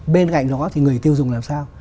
bên cạnh đó thì người tiêu dùng làm sao